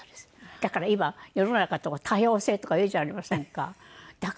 だから今世の中って多様性とか言うじゃありませんか。